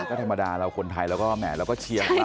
ก็ธรรมดาเราคนไทยเราก็แหมเราก็เชียร์เขา